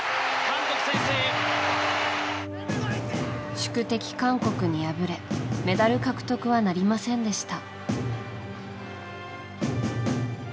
宿敵・韓国に敗れメダル獲得はなりませんでした。